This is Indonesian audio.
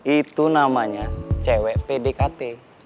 itu namanya cewek pdkt